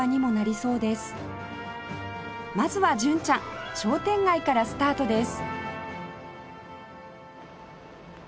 まずは純ちゃん商店街からスタートです